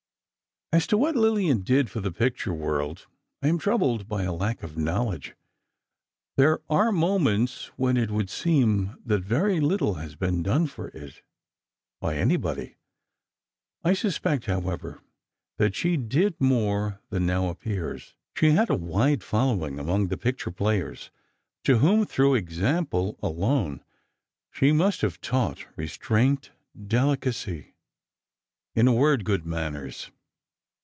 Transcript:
As to what Lillian did for the picture world, I am troubled by a lack of knowledge. There are moments when it would seem that very little has been done for it, by anybody. I suspect, however, that she did more than now appears. She had a wide following among the picture players, to whom, through example alone, she must have taught restraint, delicacy—in a word, good manners.